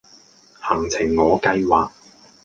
行程我計劃